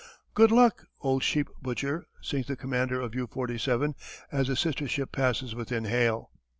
"Good luck, old sheep butcher," sings the commander of U 47 as the sister ship passes within hail.